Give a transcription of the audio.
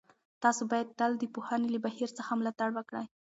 تاسو باید تل د پوهنې له بهیر څخه ملاتړ وکړئ.